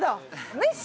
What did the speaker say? メッシ！